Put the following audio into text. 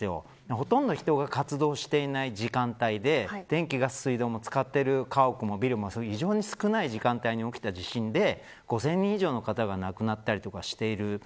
ほとんど人が活動していない時間帯で電気、ガス、水道も使っている家屋もビルも非常に少ない時間帯に起きた地震で５０００人以上の方が亡くなったりとかしている。